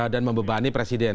dan membebani presiden